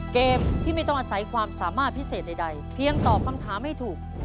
เกมที่ไม่ต้องอาศัยความสามารถพิเศษใดเพียงตอบคำถามให้ถูก